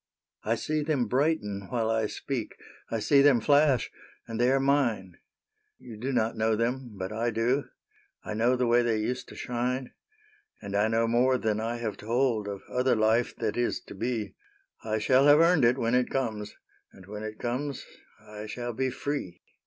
•" I see them brighten while I speak, I see them flash, — and they are mine I You do not know them, but I do : I know the way they used to shine. 152 SAINTE NITOUCHE '' And I know more than I have told Of other life that is to be : I shall have earned it when it comes, And when it comes I shall be free.